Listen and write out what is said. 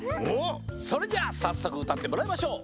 それじゃあさっそくうたってもらいましょう。